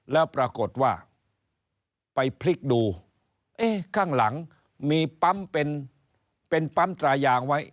แล้วปรากฏว่าไปพลิกดูเอ๊ะข้างหลังมีปั๊มเป็นปั๊มตรายางไว้